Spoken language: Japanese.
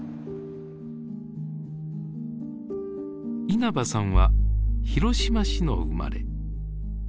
稲葉さんは広島市の生まれ。